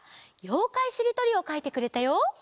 「ようかいしりとり」をかいてくれたよ。